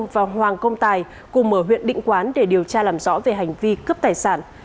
và hoàng công tài cùng ở huyện định quán để điều tra làm rõ về hành vi cướp tài sản